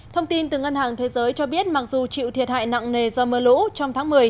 thông tin từ ngân hàng thế giới cho biết mặc dù chịu thiệt hại nặng nề do mưa lũ trong tháng một mươi